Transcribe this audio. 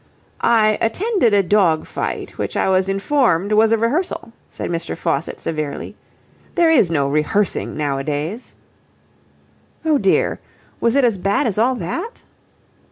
"I attended a dog fight which I was informed was a rehearsal," said Mr. Faucitt severely. "There is no rehearsing nowadays." "Oh dear! Was it as bad as all that?"